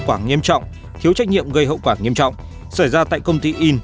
quảng nghiêm trọng thiếu trách nhiệm gây hậu quả nghiêm trọng xảy ra tại công ty in